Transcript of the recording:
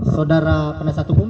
saudara penasihat hukum